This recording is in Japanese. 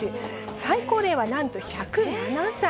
最高齢はなんと１０７歳。